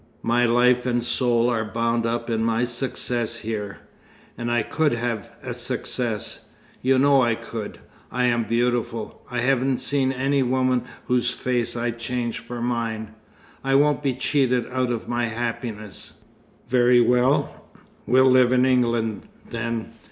My life and soul are bound up in my success here. And I could have a success. You know I could. I am beautiful. I haven't seen any woman whose face I'd change for mine. I won't be cheated out of my happiness " "Very well, we'll live in England, then.